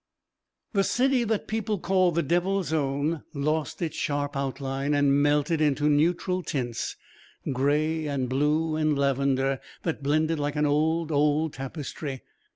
The city that people call the Devil's Own lost its sharp outline and melted into neutral tints, gray and blue and lavender, that blended like an old, old tapestry.